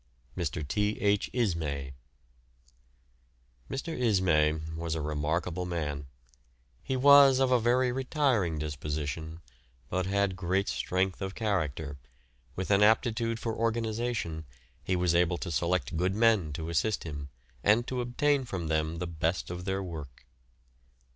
MR. T. H. ISMAY. Mr. Ismay was a remarkable man. He was of a very retiring disposition, but had great strength of character, with an aptitude for organisation, he was able to select good men to assist him, and to obtain from them the best of their work.